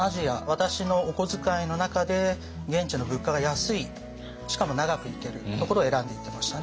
私のお小遣いの中で現地の物価が安いしかも長く行けるところを選んで行ってましたね。